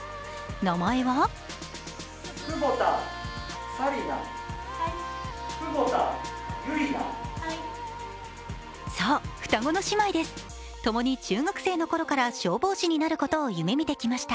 名前はそう、双子の姉妹です、ともに中学生のころから消防士になることを夢見てきました。